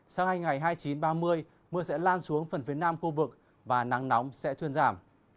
sang hai ngày hai mươi chín ba mươi mưa sẽ lan xuống phần phía nam khu vực và nắng nóng sẽ thuyên giảm